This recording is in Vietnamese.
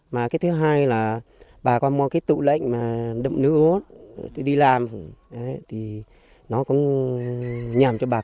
mà cái thứ hai là bà con mua cái tụ lệnh mà đậm nước hốt đi làm thì nó cũng nhảm cho bà con